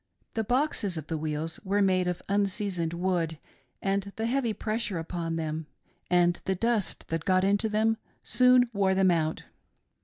The boxes of the wheels were made of. unseasoned wood, and the heavy pressure upon them, anithe dust that got into them, soon wore them out.